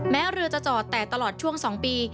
แม้เรือจะจอดแต่ตลอดช่วง๒ปี